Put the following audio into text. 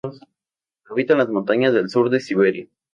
Habita en las montañas del sur de Siberia.